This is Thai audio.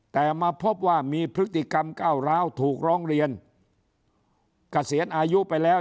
แต่มาพบว่ามีพฤติกรรมก้าวร้าวถูกร้องเรียนเกษียณอายุไปแล้ว